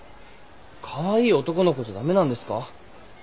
カワイイ男の子じゃ駄目なんですか？